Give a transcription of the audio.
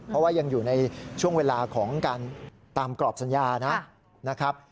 เพราะว่ายังอยู่ในช่วงเวลาของการตามกรอบสัญญานะครับ